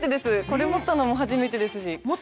これ持ったのも初めてですし。